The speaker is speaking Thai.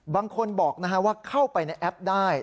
บางคนบอกว่าเข้าไปในแอปได้